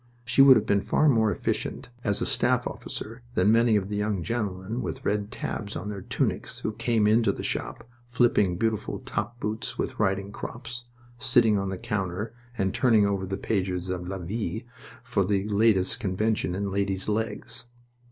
She would have been far more efficient as a staff officer than many of the young gentlemen with red tabs on their tunics who came into the shop, flipping beautiful top boots with riding crops, sitting on the counter, and turning over the pages of La Vie for the latest convention in ladies' legs.